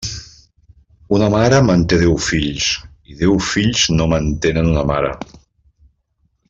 Una mare manté deu fills i deu fills no mantenen una mare.